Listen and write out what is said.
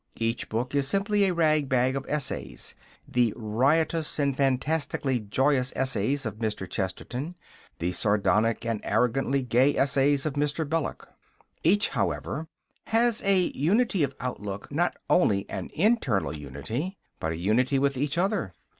Each book is simply a ragbag of essays the riotous and fantastically joyous essays of Mr. Chesterton, the sardonic and arrogantly gay essays of Mr. Belloc. Each, however, has a unity of outlook, not only an internal unity, but a unity with the other.